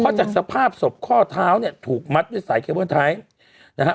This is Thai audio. เพราะจากสภาพศพข้อเท้าเนี่ยถูกมัดด้วยสายเคเบิ้ลไทยนะฮะ